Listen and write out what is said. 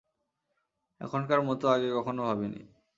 এখনকার মত আগে কখনও ভাবিনি।